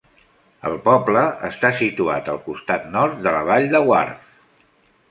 El poble està situat al costat nord de la vall de Wharfe.